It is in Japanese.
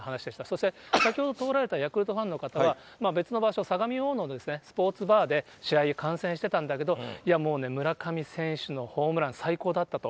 そして先ほど通られたヤクルトファンの方は、別の場所、相模大野のスポーツバーで試合を観戦してたんだけど、いやもうね、村上選手のホームラン、最高だったと。